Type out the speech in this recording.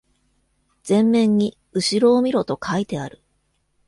前面に、「後ろを見ろ」と書いてある。